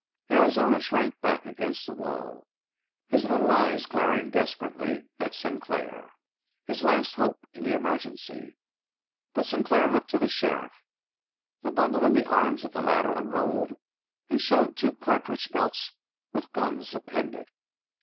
Arizona shrank back against the wall, his little eyes glaring desperately at Sinclair, his last hope in the emergency. But Sinclair looked to the sheriff. The bundle in the arms of the latter unrolled and showed two cartridge belts, with guns appended.